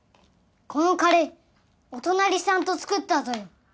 このカレーお隣さんと作ったぞよ。